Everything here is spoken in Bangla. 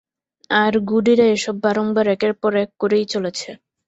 আর গুডিরা এসব বারংবার, একের পর এক করেই চলেছে।